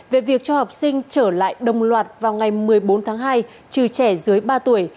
về việc cho học sinh trở lại đồng loạt vào ngày một mươi bốn tháng hai trừ trẻ dưới ba tuổi